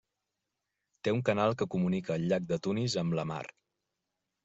Té un canal que comunica el llac de Tunis amb la mar.